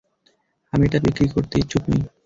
আমি এটা বিক্রি করতে ইচ্ছুক নই।